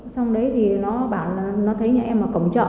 xong đấy thì nó thấy nhà em ở cổng chợ